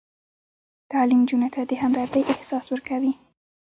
تعلیم نجونو ته د همدردۍ احساس ورکوي.